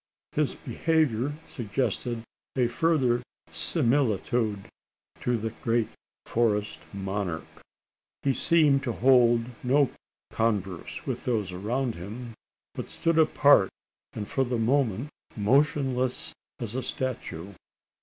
His behaviour suggested a further similitude to the great forest monarch. He seemed to hold no converse with those around him; but stood apart and for the moment motionless as a statue.